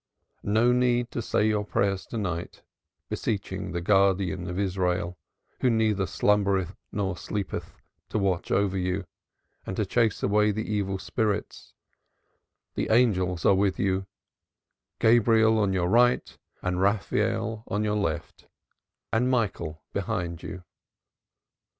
No need to say your prayers to night, beseeching the guardian of Israel, who neither slumbereth nor sleepeth, to watch over you and chase away the evil spirits; the angels are with you Gabriel on your right and Raphael on your left, and Michael behind you.